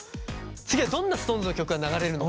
次はどんなＳｉｘＴＯＮＥＳの曲が流れるのか。